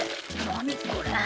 何これ。